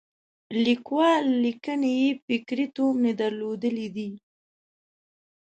لیکوال لیکنې یې فکري تومنې درلودلې دي.